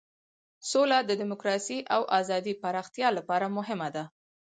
سوله د دموکراسۍ او ازادۍ پراختیا لپاره مهمه ده.